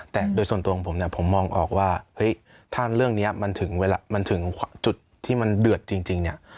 แต่โดยส่วนตัวของผมเนี่ยผมมองออกว่าเฮ้ยถ้าเรื่องนี้มันถึงเวลามันถึงจุดที่มันเดือดจริงเนี่ย